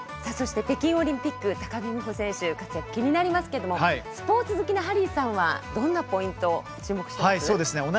北京オリンピック高木美帆選手、活躍気になりますがスポーツ好きなハリーさんはどんなポイントを注目していますか。